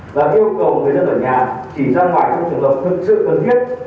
thứ ba là yêu cầu người dân ở nhà chỉ ra ngoài trong trường hợp thực sự cần thiết